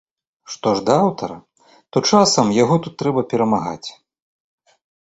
Што ж да аўтара, то часам яго тут трэба перамагаць.